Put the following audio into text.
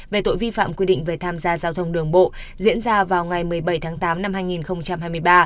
về tội vi phạm quy định về tham gia giao thông đường bộ diễn ra vào ngày một mươi bảy tháng tám năm hai nghìn hai mươi ba